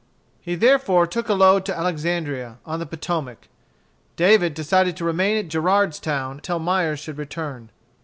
He therefore took a load to Alexandria, on the Potomac. David decided to remain at Gerardstown until Myers should return.